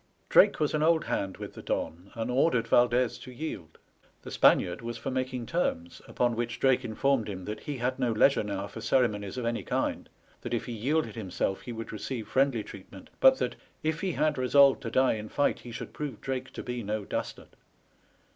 Drake was an old hand with the Don, and ordered Valdez to yield. The Spaniard was for making terms, upon which Drake informed him that he had no leisure now for ceremonies of any kind, that if he yielded himself he would receive friendly treatment, but that, "If he had resolved to die in fight, he should prove Drake to be no dastard.